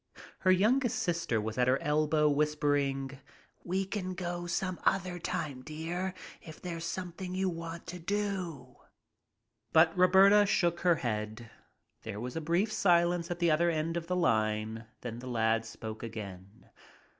Her youngest sister was at her elbow whispering, "We can go some other time, dear, if there's something that you want to do." But Roberta shook her head. There was a brief silence at the other end of the line, then the lad spoke again.